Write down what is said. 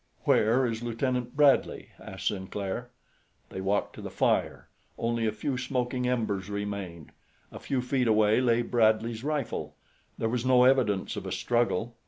"Where is Lieutenant Bradley?" asked Sinclair. They walked to the fire. Only a few smoking embers remained. A few feet away lay Bradley's rifle. There was no evidence of a struggle.